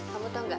kamu tau gak